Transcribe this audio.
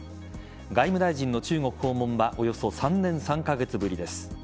外務大臣の中国訪問はおよそ３年３カ月ぶりです。